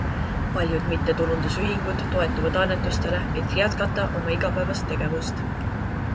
Paljud mittetulundusühingud toetuvad annetustele, et jätkata oma igapäevast tegevust